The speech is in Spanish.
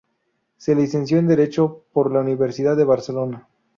Se licenció en Derecho por la Universidad de Barcelona.